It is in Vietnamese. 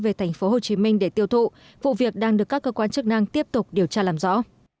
về tp hcm để tiêu thụ vụ việc đang được các cơ quan chức năng tiếp tục điều tra làm rõ